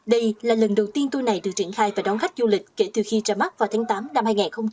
đây là lần đầu tiên tui này được triển khai và đón khách du lịch kể từ khi ra mắt vào tháng tám năm hai nghìn hai mươi ba